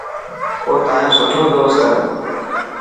او تايون سٺو دوست هي.